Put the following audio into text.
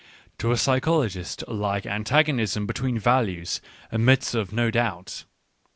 To a physiologist a like antagonism between values admits of no doubt.